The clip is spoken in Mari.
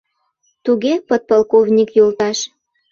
— Туге, подполковник йолташ.